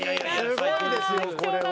すごいですよこれは。